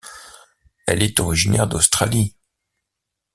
Elle est originaire d'Australie.